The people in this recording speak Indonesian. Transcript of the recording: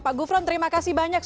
pak gufron terima kasih banyak